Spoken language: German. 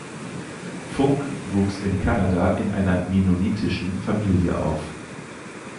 Funk wuchs in Kanada in einer mennonitischen Familie auf.